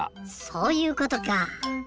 そういうことか。